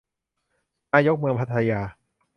นายกเมืองพัทยา